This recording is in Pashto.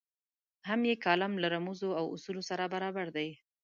هم یې کالم له رموزو او اصولو سره برابر دی.